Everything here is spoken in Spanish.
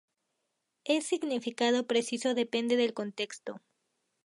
Es significado preciso depende del contexto.